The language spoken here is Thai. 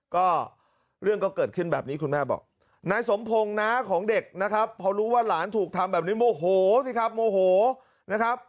ก็เรื่องก็เกิดขึ้นแบบนี้คุณแม่บอกนายสมพงศ์น้าของเด็กนะครับพอรู้ว่าหลานถูกทำแบบนี้โมโหสิครับโมโหนะครับ